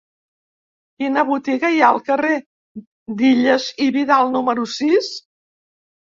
Quina botiga hi ha al carrer d'Illas i Vidal número sis?